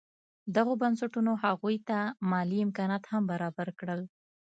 دغو بنسټونو هغوی ته مالي امکانات هم برابر کړل.